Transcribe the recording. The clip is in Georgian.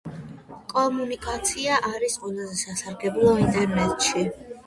კომუნიკაცია არის ყველაზე სასარგებლო ინტერნეტში.